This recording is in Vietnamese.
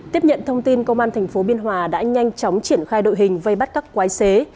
tiếp nhận thông tin công an tp biên hòa đã nhanh chóng triển khai đội hình vây bắt các quái xế